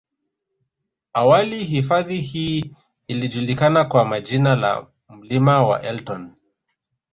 Awali hifadhi hii ilijulikana kwa jina la mlima wa elton